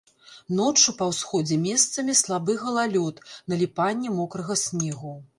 Ноччу па ўсходзе месцамі слабы галалёд, наліпанне мокрага снегу.